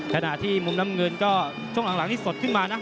ขณะที่มุมน้ำเงินก็ช่วงหลังนี้สดขึ้นมานะ